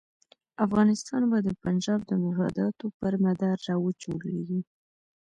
افغانستان به د پنجاب د مفاداتو پر مدار را وچورلېږي.